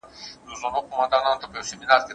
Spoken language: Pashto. هغه څوک چي نان خوري قوي وي!!